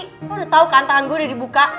lo udah tau kan tangan gue udah dibuka